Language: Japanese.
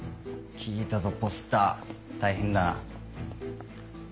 聞いたぞポスター大変だな。